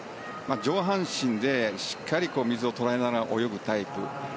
上半身でしっかり水を捉えながら泳ぐタイプ。